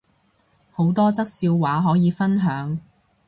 好多則笑話可以分享